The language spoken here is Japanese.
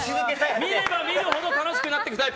見れば見るほど楽しくなってくるタイプ。